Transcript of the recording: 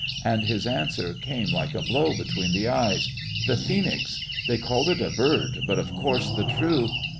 And his answer came like a blow between the eyes: "The Phoenix. They called it a bird, but, of course, the true